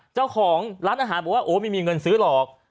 เจ้าของร้านอาหารบอกว่าโอ้ไม่มีเงินซื้อหรอก